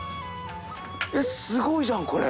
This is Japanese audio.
えっすごいじゃんこれ。